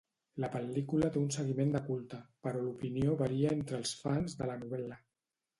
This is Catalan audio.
La pel·lícula té un seguiment de culte, però l'opinió varia entre els fans de la novel·la.